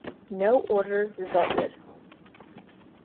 No order resulted.